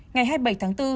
ngày hai mươi bảy tháng bốn